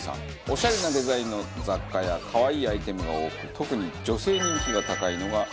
オシャレなデザインの雑貨や可愛いアイテムが多く特に女性人気が高いのが特徴。